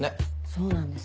そうなんです。